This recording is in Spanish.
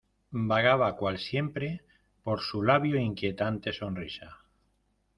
vagaba cual siempre, por su labio inquietante sonrisa